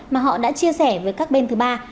mà họ đã chia sẻ với các bên thứ ba